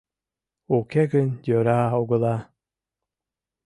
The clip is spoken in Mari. Уке гын йӧра огыла...